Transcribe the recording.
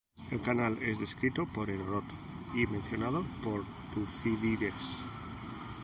El canal es descrito por Heródoto, y mencionado por Tucídides.